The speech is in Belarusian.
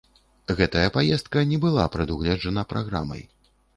Гэтая паездка не была прадугледжана праграмай.